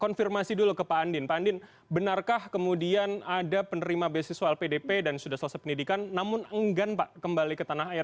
konfirmasi dulu ke pak andin pak andin benarkah kemudian ada penerima beasiswa lpdp dan sudah selesai pendidikan namun enggan pak kembali ke tanah air